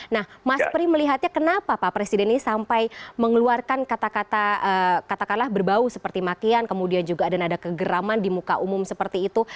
nah mas pri melihatnya kenapa pak presiden ini sampai mengeluarkan kata kata katakanlah berbau seperti makian kemudian juga ada nada kegeraman di muka umum seperti itu